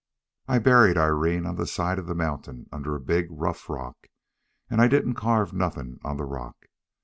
"I buried Irene on the side of the mountain under a big, rough rock, and I didn't carve nothing on the rock.